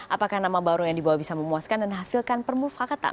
apakah nama baru yang dibawa bisa memuaskan dan hasilkan permufakatan